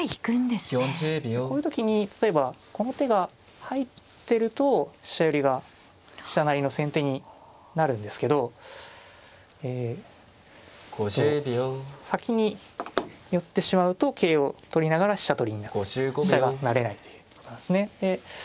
こういう時に例えばこの手が入ってると飛車寄りが飛車成りの先手になるんですけどえっと先に寄ってしまうと桂を取りながら飛車取りになって飛車が成れないということなんですね。